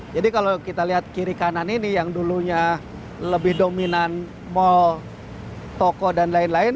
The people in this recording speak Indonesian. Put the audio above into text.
jadi kalau kita lihat kiri kanan ini yang dulunya lebih dominan mal toko dan lain lain